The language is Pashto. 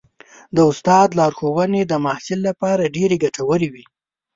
د استاد لارښوونې د محصل لپاره ډېرې ګټورې وي.